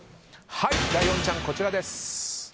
ライオンちゃん、こちらです。